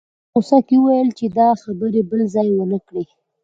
هغه په غوسه وویل چې دا خبرې بل ځای ونه کړې